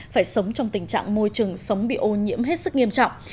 phải sống trong tình trạng môi trường sống bị ô nhiễm hết sức nghiêm trọng